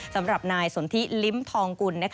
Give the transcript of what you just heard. สำหรับนายสนทิลิ้มทองกุล